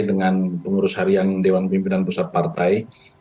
dengan pengurus harian dewan pimpinan pusat partai